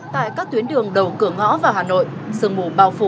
tại các tuyến đường đầu cửa ngõ vào hà nội sương mù bao phủ